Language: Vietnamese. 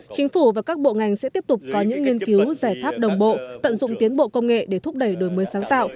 chính phủ và các bộ ngành sẽ tiếp tục có những nghiên cứu giải pháp đồng bộ tận dụng tiến bộ công nghệ để thúc đẩy đổi mới sáng tạo